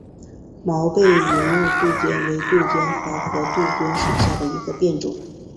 毛背云雾杜鹃为杜鹃花科杜鹃属下的一个变种。